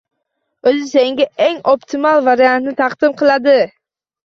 Oʻzi senga eng optimal variantni taqdim qiladi.